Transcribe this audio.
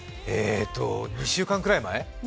２週間くらい前？